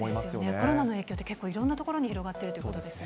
コロナの影響って、結構いろんなところに広がってるってことですよね。